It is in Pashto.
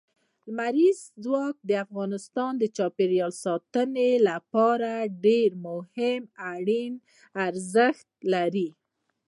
لمریز ځواک د افغانستان د چاپیریال ساتنې لپاره ډېر مهم او اړین ارزښت لري.